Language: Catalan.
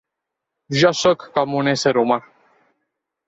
Jo sóc com un ésser humà.